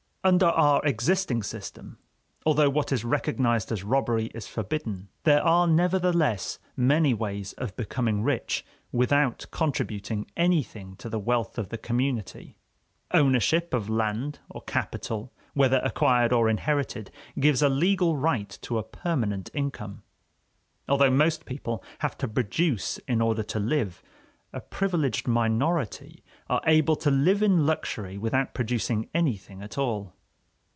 Under our existing system, although what is recognized as robbery is forbidden, there are nevertheless many ways of becoming rich without contributing anything to the wealth of the community. Ownership of land or capital, whether acquired or inherited, gives a legal right to a permanent income. Although most people have to produce in order to live, a privileged minority are able to live in luxury without producing anything at all.